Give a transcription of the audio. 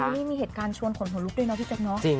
นี่มีเหตุการณ์ชวนขนหัวลุกด้วยนะพี่แจ๊คเนอะ